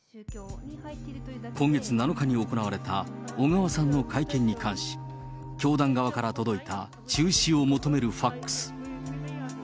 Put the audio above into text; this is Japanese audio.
今月７日に行われた小川さんの会見に関し、教団側から届いた中止を求めるファックス。